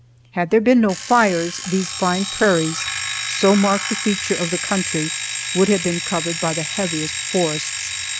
Had there been no fires, these fine prairies, so marked a feature of the country, would have been covered by the heaviest forests.